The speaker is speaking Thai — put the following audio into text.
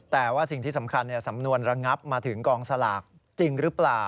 แต่ว่าสิ่งที่สำคัญสำนวนระงับมาถึงกองสลากจริงหรือเปล่า